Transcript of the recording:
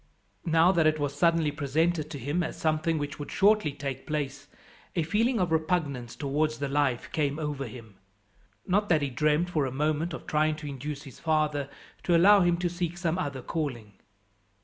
Now that it was suddenly presented to him as something which would shortly take place, a feeling of repugnance towards the life came over him. Not that he dreamt for a moment of trying to induce his father to allow him to seek some other calling.